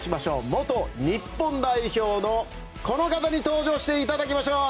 元日本代表のこの方に登場していただきましょう。